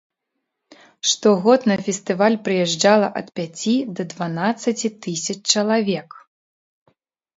Штогод на фестываль прыязджала ад пяці да дванаццаці тысяч чалавек.